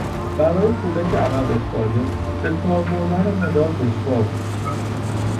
برای کودک عقب افتاده به کار بردن مداد دشوار بود.